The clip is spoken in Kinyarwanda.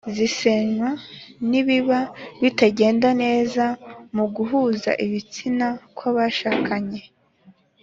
zisenywa n’ibiba bitagenda neza mu guhuza ibitsina kw’abashakanye.